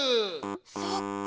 そっか。